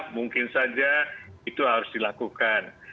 mungkin saja itu harus dilakukan